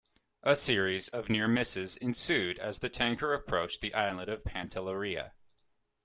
A series of near misses ensued as the tanker approached the island of Pantelleria.